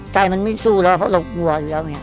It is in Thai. ใจมันไม่สู้แล้วเพราะเรากลัวอยู่แล้วไง